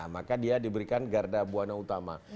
maka dia diberikan garda buana utama